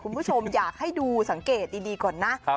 คุณผู้ชมอยากให้ดูสังเกตดีก่อนนะ